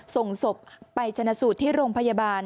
ส่งศพไปชนะสูตรที่โรงพยาบาล